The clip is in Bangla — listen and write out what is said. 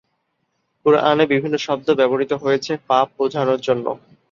কুরআনে বিভিন্ন শব্দ ব্যবহৃত হয়েছে পাপ বোঝানোর জন্য।